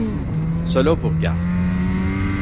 Cela vous regarde.